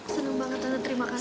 seneng banget tante terima kasih